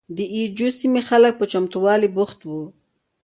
د اي جو سیمې خلک په چمتوالي بوخت وو.